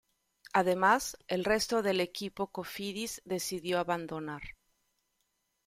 Además, el resto del equipo Cofidis decidió abandonar.